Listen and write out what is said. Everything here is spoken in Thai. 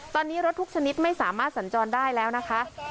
ตอนนี้รถทุกชนิดไม่สามารถสัญจรได้แล้วนะคะ